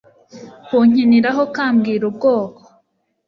kunkiniraho kambwira ubwoko